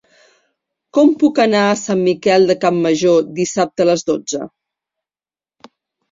Com puc anar a Sant Miquel de Campmajor dissabte a les dotze?